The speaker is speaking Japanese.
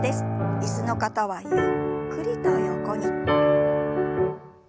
椅子の方はゆっくりと横に。